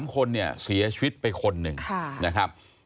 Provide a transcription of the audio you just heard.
๓คนเนี่ยเสียชีวิตไปคนหนึ่งนะครับ